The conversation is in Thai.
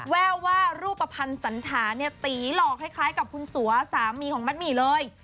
แววว่ารูปภัณฑ์สันธาเนี่ยตีหลอกคล้ายกับคุณสัวสามีของมัดหมี่เลย